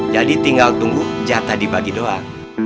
jadi tinggal tunggu jatah dibagi doang